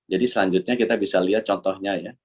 jadi selanjutnya kita bisa lihat contohnya